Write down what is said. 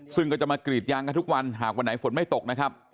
ซึ่งก็จะมากรีดยางกันทุกวันหากวันไหนฝนไม่ตกนะครับ